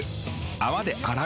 泡で洗う。